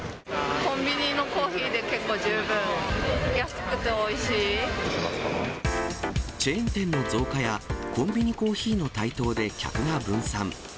コンビニのコーヒーで結構十チェーン店の増加や、コンビニコーヒーの台頭で客が分散。